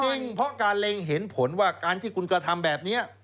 จริงเพราะการเล็งเห็นผลว่าการที่คุณกระทำแบบนี้